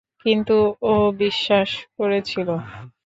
কিন্তু, ও বিশ্বাস করেছিল।